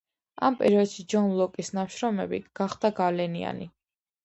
ამ პერიოდში ჯონ ლოკის ნაშრომები გახდა გავლენიანი.